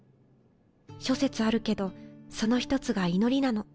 諸説あるけどその一つが祈りなの。